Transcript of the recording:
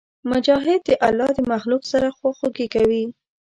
مجاهد د الله د مخلوق سره خواخوږي کوي.